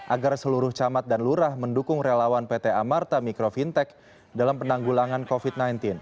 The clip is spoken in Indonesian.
agar seluruh camat dan lurah mendukung relawan pt amarta mikro fintech dalam penanggulangan covid sembilan belas